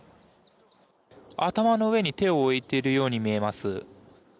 頭の上に手を置いているように見えます。